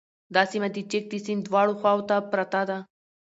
دا سیمه د چک د سیند دواړو خواوو ته پراته دي